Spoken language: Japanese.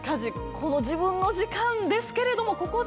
この自分の時間ですけれどもここで。